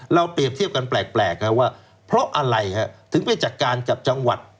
เปรียบเทียบกันแปลกว่าเพราะอะไรฮะถึงไปจัดการกับจังหวัด